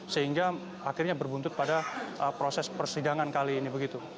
sehingga akhirnya berbuntut pada proses persidangan kali ini begitu